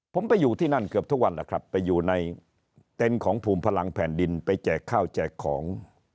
ผมไปอยู่ที่นั่นเกือบทุกวันแล้วครับไปอยู่ในเต็นต์ของภูมิพลังแผ่นดินไปแจกข้าวแจกของ